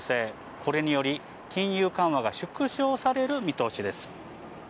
これにより、金融緩和が縮小される見通しです。